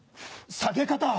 下げ方！